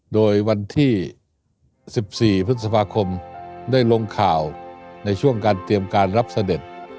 โดยวันที่๑๔พฤษภาคมได้ลงข่าวในช่วงการเตรียมการรับเสด็จ